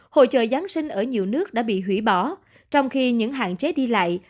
hội chợ giáng sinh ở nhiều nước đã bị hủy bỏ trong khi những hạn chế đi lại